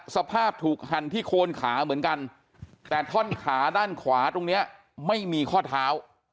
สภาพถูกหั่นที่โคนขาเหมือนกันแต่ท่อนขาด้านขวาตรงเนี้ยไม่มีข้อเท้า